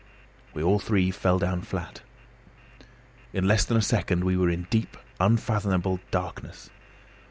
We all three fell down flat. In less than a second we were in deep, unfathomable darkness.